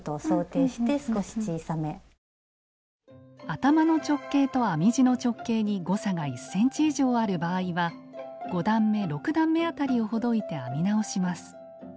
頭の直径と編み地の直径に誤差が１ｃｍ以上ある場合は５段め６段め辺りをほどいて編み直します。